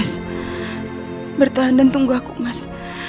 terus bertahan dan tunggu aku mas